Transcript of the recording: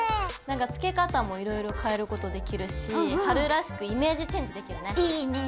なんかつけ方もいろいろ変えることできるし春らしくイメージチェンジできるね。